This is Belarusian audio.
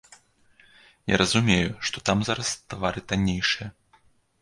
Я разумею, што там зараз тавары таннейшыя.